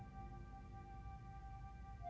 duga di hati